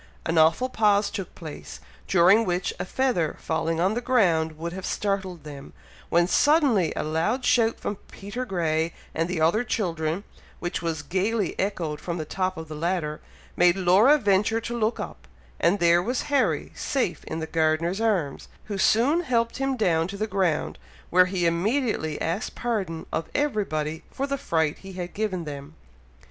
An awful pause took place, during which, a feather falling on the ground would have startled them, when suddenly a loud shout from Peter Grey and the other children, which was gaily echoed from the top of the ladder, made Laura venture to look up, and there was Harry safe in the gardener's arms, who soon helped him down to the ground, where he immediately asked pardon of everybody for the fright he had given them.